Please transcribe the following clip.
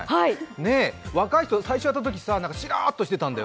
ねっ、若い人、最初やったときしらーっとしてたんだよ。